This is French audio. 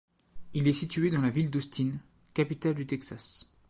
Il est situé dans la ville d'Austin, capitale du Texas.